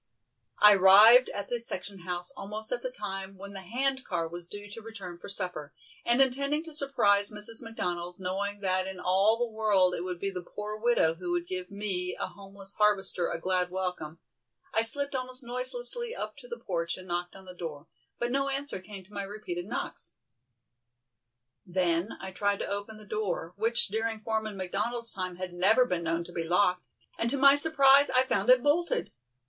I arrived at the section house almost at the time when the hand car was due to return for supper, and intending to surprise Mrs. McDonald, knowing that in all the world it would be the poor widow who would give me, a homeless harvester, a glad welcome, I slipped almost noiselessly up to the porch and knocked on the door, but no answer came to my repeated knocks. Then I tried to open the door, which during Foreman McDonald's time had never been known to be locked, and to my surprise I found it bolted.